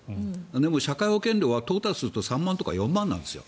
でも社会保険料はトータルすると３万とか４万なんです。